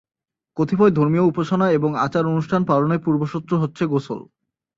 কথিপয় ধর্মীয় উপাসনা এবং আচার-আনুষ্ঠান পালনের পূর্বশর্ত হচ্ছে গোসল।